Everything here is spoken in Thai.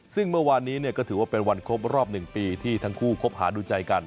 ซึ่งเมื่อวานนี้ก็ถือว่าเป็นวันครบรอบ๑ปีที่ทั้งคู่คบหาดูใจกัน